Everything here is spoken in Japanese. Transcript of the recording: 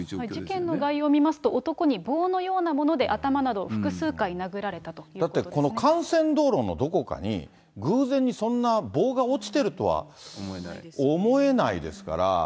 事件の概要見ますと、男に棒のようなもので頭など複数回殴らだってこの幹線道路のどこかに、偶然にそんな棒が落ちてるとは思えないですから。